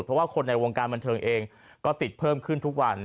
เพราะว่าคนในวงการบันเทิงเองก็ติดเพิ่มขึ้นทุกวัน